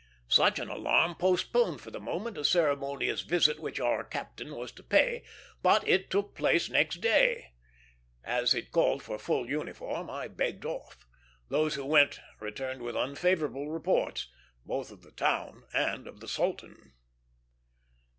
Such an alarm postponed for the moment a ceremonious visit which our captain was to pay, but it took place next day. As it called for full uniform, I begged off. Those who went returned with unfavorable reports, both of the town and of the sultan.